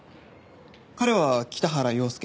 彼は北原陽介。